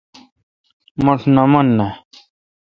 مٹھ نہ من نا۔